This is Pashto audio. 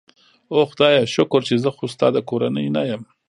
اوه خدایه، شکر چې زه خو ستا د کورنۍ نه یم.